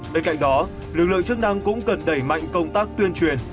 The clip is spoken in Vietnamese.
bên cạnh đó lực lượng chức năng cũng cần đẩy mạnh công tác tuyên truyền